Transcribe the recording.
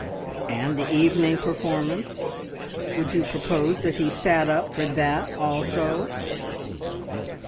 "And the evening performance? Would you propose that he sat up for that also?"